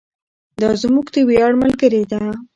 دا زموږ د ویاړ ملګرې ده.